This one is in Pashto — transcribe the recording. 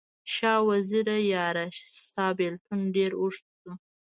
شاه وزیره یاره، ستا بیلتون ډیر اوږد شو